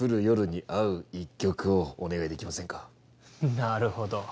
なるほど。